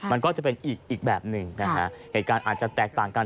มันก็จะเป็นอีกแบบหนึ่งนะฮะเหตุการณ์อาจจะแตกต่างกัน